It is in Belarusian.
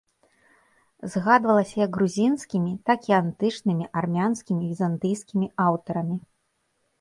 Згадвалася як грузінскімі, так і антычнымі, армянскімі, візантыйскімі аўтарамі.